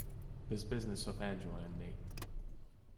This business of Angela and me.